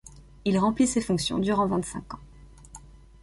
Il remplit ces fonctions durant vingt-cinq ans.